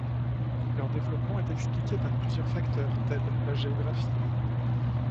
Leur développement est expliqué par plusieurs facteurs, tels la géographie.